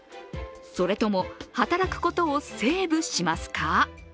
それとも働くことをセーブしますか？